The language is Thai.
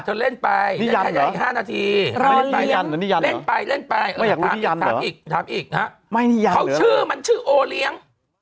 จะเล่นไป๕นาทีรอเลี้ยงเล่นไปถามอีกนะฮะคำชื่อมันชื่อโอเลี้ยง